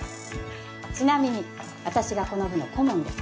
ちなみに私がこの部の顧問です。